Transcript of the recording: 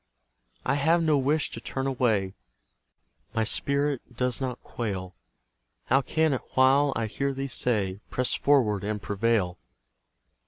I have no wish to turn away; My spirit does not quail, How can it while I hear thee say, "Press forward and prevail!"